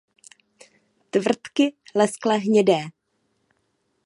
Tvrdky leskle hnědé.